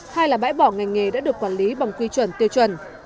hai là bãi bỏ ngành nghề đã được quản lý bằng quy chuẩn tiêu chuẩn